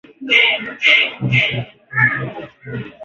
Snel anakata moto juya ile nyumba ili lungula